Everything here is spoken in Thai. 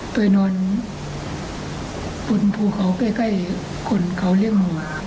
ไปนอนบนภูเขาใกล้คนเขาเล่งหมอน